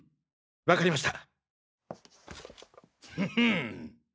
わかりました。